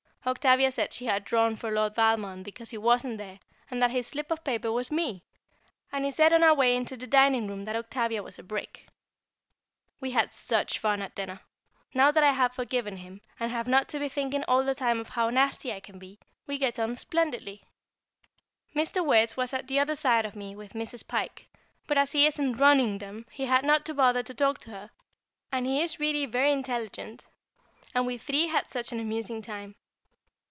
Octavia said she had drawn for Lord Valmond because he wasn't there, and that his slip of paper was me, and he said on our way into the dining room that Octavia was a brick. We had such fun at dinner. Now that I have forgiven him, and have not to be thinking all the time of how nasty I can be, we get on splendidly. [Sidenote: The Ball] Mr. Wertz was at the other side of me with Mrs. Pike; but as he isn't "running" them he had not to bother to talk to her, and he is really very intelligent, and we three had such an amusing time.